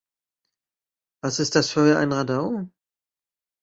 Was ist das für ein Radau.